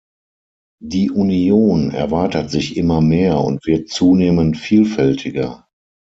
Die Union erweitert sich immer mehr und wird zunehmend vielfältiger.